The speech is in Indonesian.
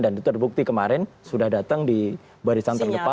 dan itu terbukti kemarin sudah datang di barisan terdepan